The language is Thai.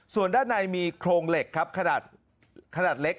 ส่วนด้านในมีโครงเหล็กครับขนาดเล็ก